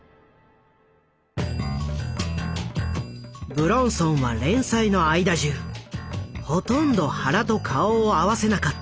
武論尊は連載の間じゅうほとんど原と顔を合わせなかった。